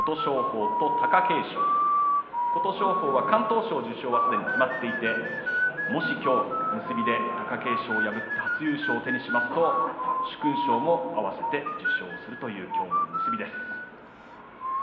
琴勝峰は敢闘賞受賞がすでに決まっていてもし結びで貴景勝を破って初優勝を手にしますと殊勲賞も合わせて受賞するという今日の結びです。